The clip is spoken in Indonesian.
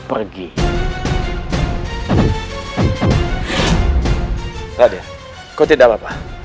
pergi tadi kok tidak apa apa